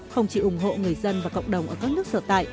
không chỉ ủng hộ người dân và cộng đồng ở các nước sở tại